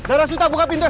arasuta buka pintunya